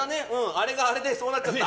あれがあれでそうなっちゃった。